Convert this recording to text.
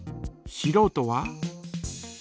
しろうとは？